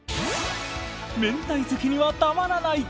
明太好きにはたまらない。